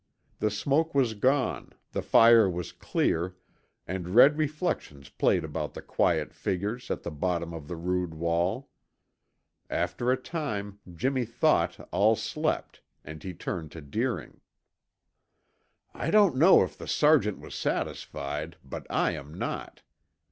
The smoke was gone, the fire was clear, and red reflections played about the quiet figures at the bottom of the rude wall. After a time Jimmy thought all slept and he turned to Deering. "I don't know if the sergeant was satisfied, but I am not.